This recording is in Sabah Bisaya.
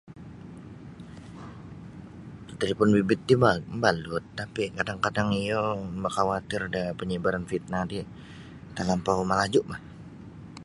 Talipon bimbit ti ma mabalut tapi kadang-kadang iyo makawatir da penyebaran fitnah ti talampau malaju bah.